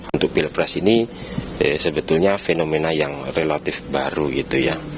untuk pilpres ini sebetulnya fenomena yang relatif baru gitu ya